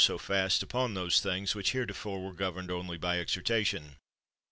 88 MILTON so fast upon those things which heretofore were governed only by exhortation.